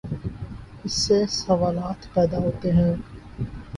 اس سے سوالات پیدا ہوتے ہیں۔